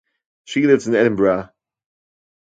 She lives in Edinburgh.